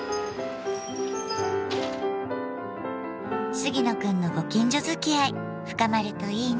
杉野くんのご近所づきあい深まるといいね。